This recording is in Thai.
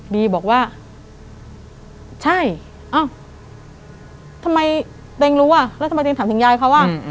บีบอกว่าใช่เอ้าทำไมเต็งรู้อ่ะแล้วทำไมตัวเองถามถึงยายเขาว่า